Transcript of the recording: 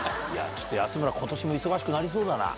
安村今年も忙しくなりそうだな。